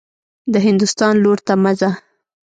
د هندوستان لور ته مه ځه.